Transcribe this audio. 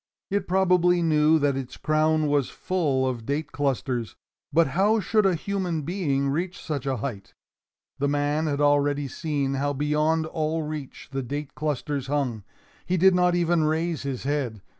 It probably knew that its crown was full of date clusters, but how should a human being reach such a height? The man had already seen how beyond all reach the date clusters hung. He did not even raise his head.